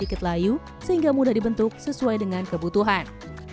sedikit layu sehingga mudah dibentuk sesuai dengan kebutuhan